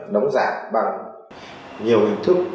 đóng giả bằng nhiều hình thức